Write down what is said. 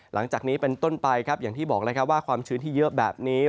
หลังจากนี้เป็นต้นไปที่บอกว่าความชื้นที่เยอะแบบนี้